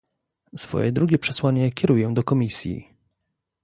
Swoje drugie przesłanie kieruję do Komisji